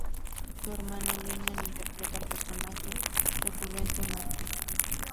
Su hermano Liam interpretaba al personaje recurrente Marcus.